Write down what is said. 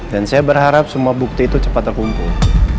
dan saya berharap semua bukti itu cepat terkumpul